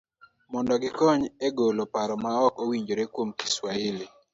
mondo gikony e golo paro maok owinjore kuom Kiswahili.